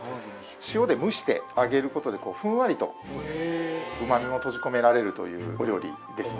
塩で蒸してあげる事でこうふんわりとうまみも閉じ込められるというお料理ですので。